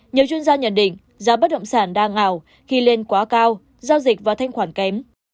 nhiều chuyên gia nhận định giá bất động sản đa ngào khi lên quá cao giao dịch và thanh khoản kém